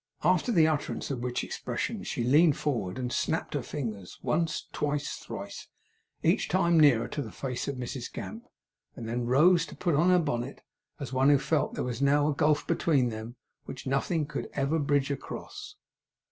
After the utterance of which expressions, she leaned forward, and snapped her fingers once, twice, thrice; each time nearer to the face of Mrs Gamp, and then rose to put on her bonnet, as one who felt that there was now a gulf between them, which nothing could ever bridge across.